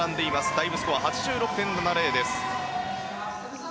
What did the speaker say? ダイブスコア８６．７０です。